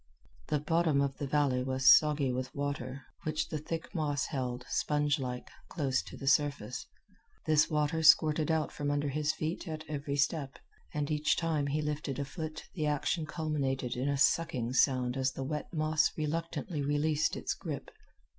The bottom of the valley was soggy with water, which the thick moss held, spongelike, close to the surface. This water squirted out from under his feet at every step, and each time he lifted a foot the action culminated in a sucking sound as the wet moss reluctantly released its grip.